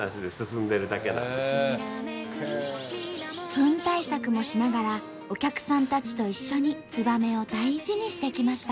フン対策もしながらお客さんたちと一緒にツバメを大事にしてきました。